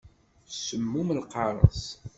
Semmum lqareṣ.